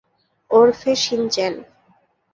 ওরফে শিন-চেন।